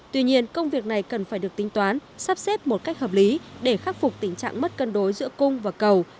tuy nhiên công việc này cần phải được tính toán sắp xếp một cách hợp lý để khắc phục tình trạng mất cân đối giữa cung và cầu